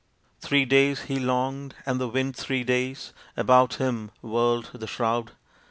Three days he longed, and the wind three days About him whirled the shroud.